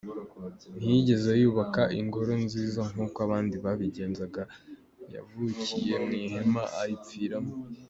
Ntiyigeze yubaka ingoro nziza nkuko abandi babigenzaga, yavukiye mu ihema aripfiramo.